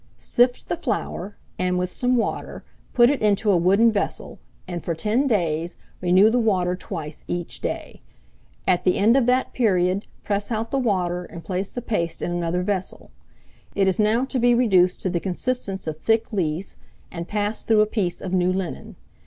"Sift the flour, and, with some water, put it into a wooden vessel, and, for ten days, renew the water twice each day. At the end of that period, press out the water and place the paste in another vessel. It is now to be reduced to the consistence of thick lees, and passed through a piece of new linen.